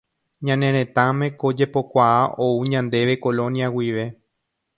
Ñane retãme ko jepokuaa ou ñandéve Colonia guive.